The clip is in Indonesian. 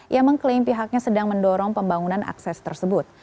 ia mengklaim pihaknya sedang mendorong pembangunan akses tersebut